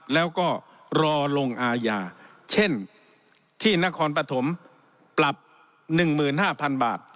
แล้วก็รอลงอาญาเช่นที่นครปฐมปรับหนึ่งหมื่นห้าพันบาท